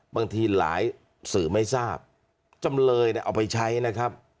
บางทีหลายสื่อไม่ทราบจำเลยเอาไปใช้นะครับ